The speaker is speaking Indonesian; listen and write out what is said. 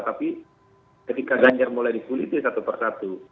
tapi ketika ganjar mulai dikuliti satu persatu